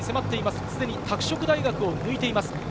すでに拓殖大学を抜いています。